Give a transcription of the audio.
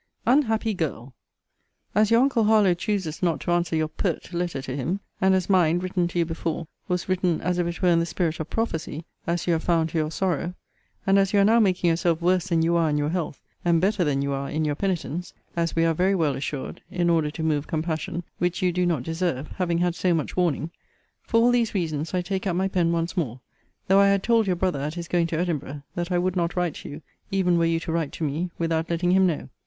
UNHAPPY GIRL! As your uncle Harlowe chooses not to answer your pert letter to him; and as mine, written to you before,* was written as if it were in the spirit of prophecy, as you have found to your sorrow; and as you are now making yourself worse than you are in your health, and better than you are in your penitence, as we are very well assured, in order to move compassion; which you do not deserve, having had so much warning: for all these reasons, I take up my pen once more; though I had told your brother, at his going to Edinburgh, that I would not write to you, even were you to write to me, without letting him know.